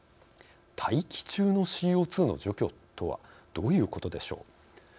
大気中のＣＯ２の除去とはどういうことでしょう。